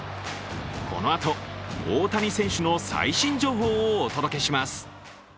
このあと大谷選手の最新情報をお届けします。